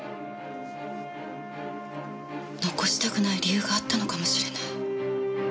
残したくない理由があったのかもしれない。